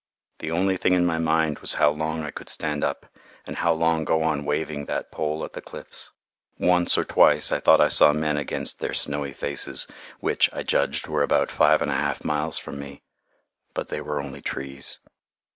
The only thing in my mind was how long I could stand up and how long go on waving that pole at the cliffs. Once or twice I thought I saw men against their snowy faces, which, I judged, were about five and a half miles from me, but they were only trees.